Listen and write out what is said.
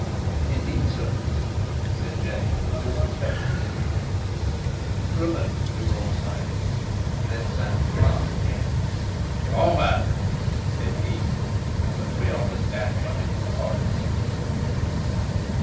"Indeed, sir?" said James with respectful interest. For a moment we were all silent. Then Sapt laughed again. "Forward!" said he, and the three of us dashed into the forest.